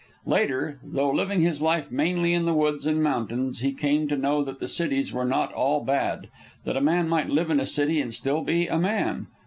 Later, though living his life mainly in the woods and mountains, he came to know that the cities were not all bad; that a man might live in a city and still be a man.